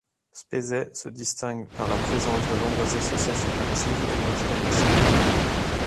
Spézet se distingue par la présence de nombreuses associations actives et leur dynamisme.